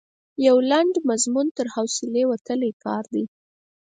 د یو لنډ مضمون تر حوصلې وتلی کار دی.